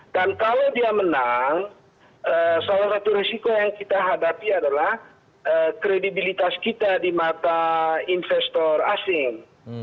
dan kalau dia menang salah satu risiko yang kita hadapi adalah kredibilitas kita di mata investor asing